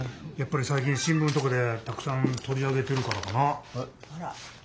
やっぱりさい近新聞とかでたくさん取り上げてるからかな。